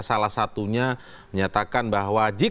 salah satunya menyatakan bahwa